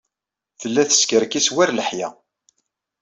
Tella teskerkis war leḥya.